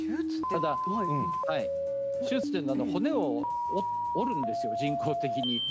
手術というのは骨を折るんです、人工的に。